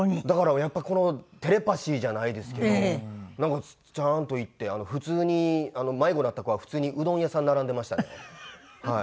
だからやっぱりこのテレパシーじゃないですけどなんかちゃんと行って普通に迷子になった子は普通にうどん屋さん並んでましたね。